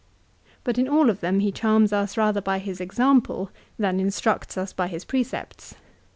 " But in all of them he charms us rather by his example than instructs us by his precepts.